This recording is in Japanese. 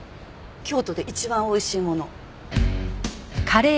京都で一番美味しいもの。